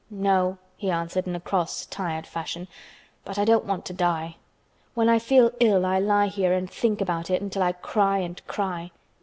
"No," he answered, in a cross, tired fashion. "But I don't want to die. When I feel ill I lie here and think about it until I cry and cry."